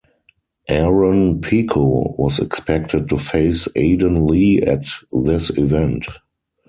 Aaron Pico was expected to face Aiden Lee at this event.